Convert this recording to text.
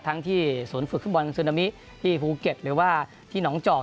ทั้งที่ศูนย์ฝึกฟุตบอลซึนามิที่ภูเก็ตหรือว่าที่หนองจอก